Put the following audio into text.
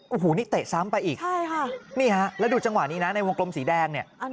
โอ้โหนี่เตะซ้ำไปอีกใช่ค่ะนี่ฮะแล้วดูจังหวะนี้นะในวงกลมสีแดงเนี่ย